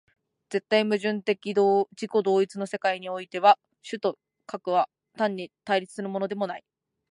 絶対矛盾的自己同一の世界においては、主と客とは単に対立するのでもない。